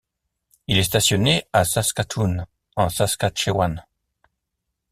Il est stationné à Saskatoon en Saskatchewan.